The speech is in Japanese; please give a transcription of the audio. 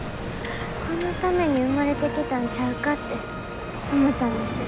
このために生まれてきたんちゃうかって思ったんです。